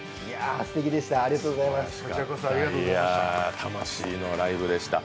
魂のライブでした。